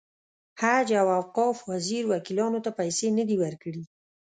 حج او اوقاف وزیر وکیلانو ته پیسې نه دي ورکړې.